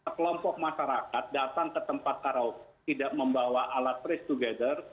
kelompok masyarakat datang ke tempat karaoke tidak membawa alat trace together